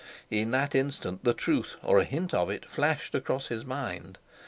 In that instant the truth, or a hint of it, flashed across his mind.